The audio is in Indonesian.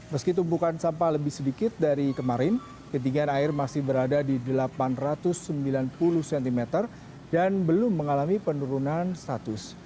meski tumpukan sampah lebih sedikit dari kemarin ketinggian air masih berada di delapan ratus sembilan puluh cm dan belum mengalami penurunan status